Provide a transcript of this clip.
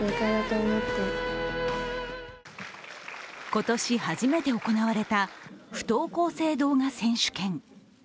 今年初めて行われた不登校生動画選手権。